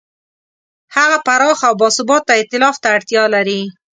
هغه پراخ او باثباته ایتلاف ته اړتیا لري.